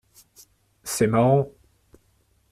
C’est marrant.